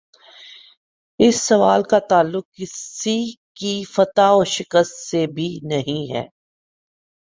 اس سوال کا تعلق کسی کی فتح و شکست سے بھی نہیں ہے۔